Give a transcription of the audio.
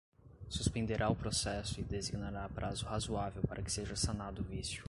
suspenderá o processo e designará prazo razoável para que seja sanado o vício.